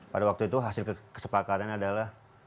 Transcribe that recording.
pada waktu itu hasil kesepakatan adalah